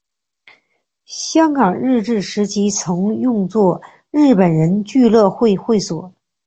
香港日治时期曾用作日本人俱乐部会所。